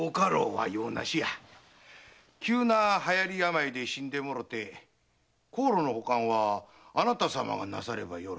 急な流行病で死んでもろて香炉の保管はあなたさまがなさればよろし。